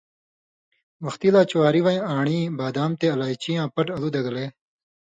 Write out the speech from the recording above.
وختی لا چواری وَیں آن٘ڑیۡ بادام تے الائچی یاں پٹ الُو دگلے